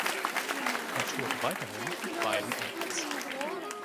Er tourt weiterhin mit beiden Acts.